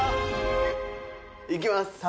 いきます！